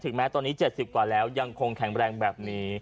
แม้ตอนนี้๗๐กว่าแล้วยังคงแข็งแรงแบบนี้